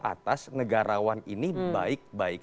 atas negarawan ini baik baik